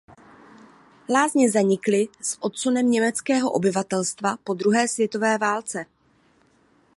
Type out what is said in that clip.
Lázně zanikly s odsunem německého obyvatelstva po druhé světové válce.